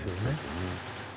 うん。